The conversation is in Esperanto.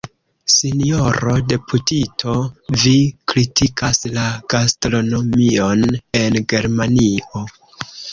Sinjoro deputito, vi kritikas la gastronomion en Germanio.